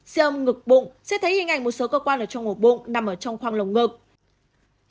xe ôm ngực bụng sẽ thấy hình ảnh một số cơ quan ở trong ổ bụng nằm trong khoang lồng ngực